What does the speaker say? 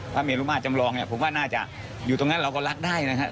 เมรุมาตรจำลองเนี่ยผมว่าน่าจะอยู่ตรงนั้นเราก็รักได้นะครับ